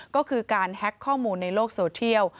ก็คือการแฮ็กข้อมูลในโลกโซเทียล